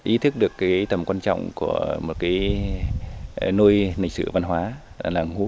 ý thức được cái tầm quan trọng của một cái nuôi lịch sử văn hóa làng hú